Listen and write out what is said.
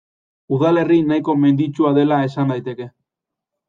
Udalerri nahiko menditsua dela esan daiteke.